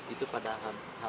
itu padahal hari